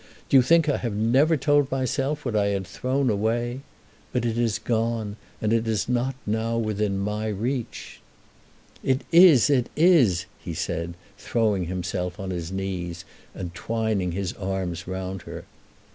Do you think I have never told myself what I had thrown away? But it is gone, and it is not now within my reach." "It is; it is," he said, throwing himself on his knees, and twining his arms round her.